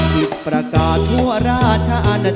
คุณนิ่งร้อง